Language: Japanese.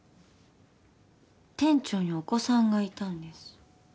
店長にお子さんがいたんです。